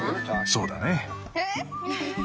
そうだね。